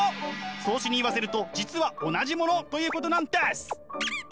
荘子に言わせると実は同じものということなんです！